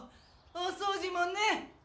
お掃除もね！